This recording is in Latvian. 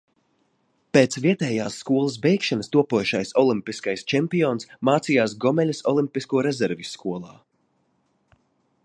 Pēc vietējās skolas beigšanas topošais olimpiskais čempions mācījās Gomeļas olimpisko rezervju skolā.